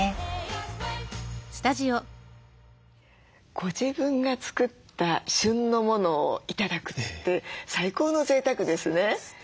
ご自分が作った旬のものを頂くって最高のぜいたくですね。